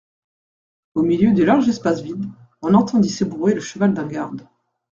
Au milieu du large espace vide, on entendit s'ébrouer le cheval d'un garde.